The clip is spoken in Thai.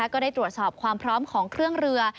ก็ได้ตรวจสอบความพร้อมของเครื่องเรือ